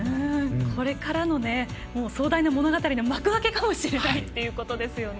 これからの壮大な物語の幕開けかもしれないってことですよね。